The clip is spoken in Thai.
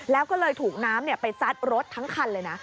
แล้วก็เลยถูกน้ำไปซัดรถทั้งคันเลยนะ